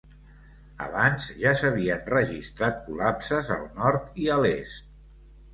Abans, ja s'havien registrat col·lapses al nord i a l'est.